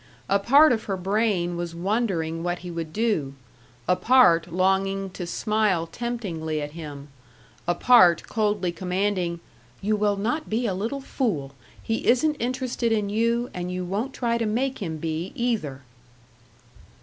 A part of her brain was wondering what he would do; a part longing to smile temptingly at him; a part coldly commanding, "You will not be a little fool he isn't interested in you, and you won't try to make him be, either!"